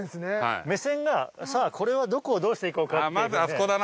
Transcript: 目線がさあこれはどこをどうしていこうかって。